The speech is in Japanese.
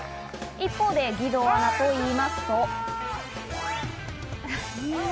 一方で、義堂アナはといいますと。